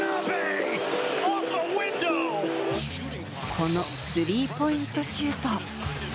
このスリーポイントシュート。